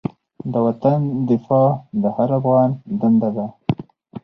د وطن دفاع د هر افغان دنده ده.